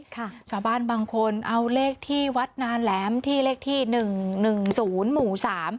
ค่ะชาวบ้านบางคนเอาเลขที่วัดนาแหลมที่เลขที่๑๑๐หมู่๓